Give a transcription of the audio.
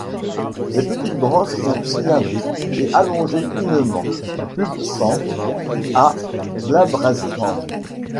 Les petites branches sont cylindriques et allongées, finement pubscentes à glabrescentes.